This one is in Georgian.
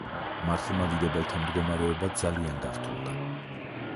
მართლმადიდებელთა მდგომარეობა ძალიან გართულდა.